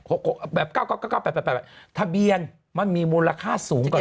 หกหกแบบเก้าเก้าเก้าแบบแบบแบบทะเบียนมันมีมูลค่าสูงกว่า